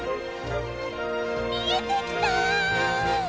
見えてきた！